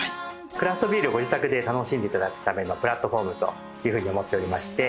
クラフトビールをご自宅で楽しんでいただくためのプラットホームというふうに思っておりまして。